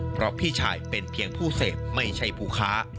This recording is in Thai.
เพราะพี่ชายเป็นเพียงผู้เสพไม่ใช่ผู้ค้า